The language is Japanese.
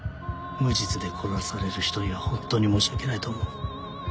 無実で殺される人にはホントに申し訳ないと思う。